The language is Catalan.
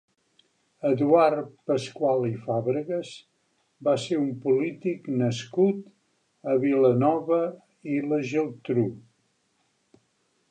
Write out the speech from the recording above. Eduard Pascual i Fàbregas va ser un polític nascut a Vilanova i la Geltrú.